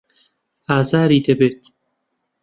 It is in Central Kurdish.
ئازاری دەبێت.